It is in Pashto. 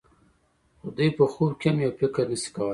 خو دوی په خوب کې هم یو فکر نشي کولای.